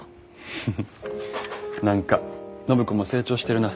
フフッ何か暢子も成長してるな。